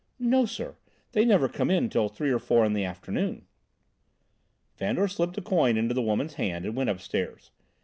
"No, sir, they never come till three or four in the afternoon." Fandor slipped a coin into the woman's hand and went upstairs.